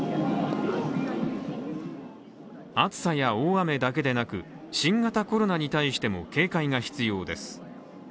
暑さや大雨だけでなく、新型コロナに対しても警戒が必要です。